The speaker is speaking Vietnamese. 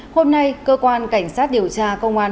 hôm nay cơ quan cảnh sát điều tra công an